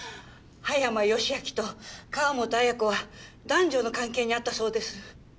葉山義明と川本綾子は男女の関係にあったそうです。